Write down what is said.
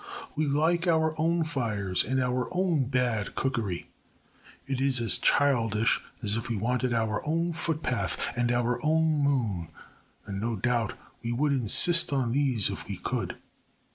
We like our own fires and our own bad cookery. It is as childish as if we wanted our own footpath and our own moon, and no doubt we would insist on these if we could.